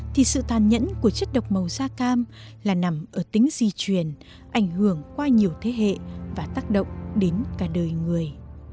thì sự tàn nhẫn của chất độc màu da cam là nằm ở tính di truyền ảnh hưởng qua nhiều thế hệ và tác động đến cả đời người